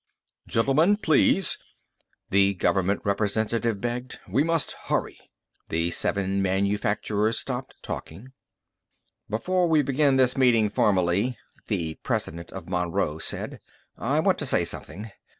"Gentlemen, please," the government representative begged. "We must hurry." The seven manufacturers stopped talking. "Before we begin this meeting formally," the president of Monroe said, "I want to say something.